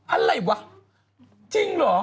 อะไรวะจริงเหรอ